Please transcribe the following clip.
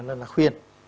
nó là khuyên